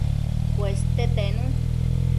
Cueste tenu